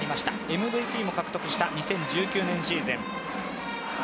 ＭＶＰも獲得した２０１９年シーズン。